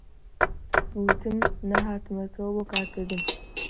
گوتم: نەهاتوومەوە بۆ کار کردن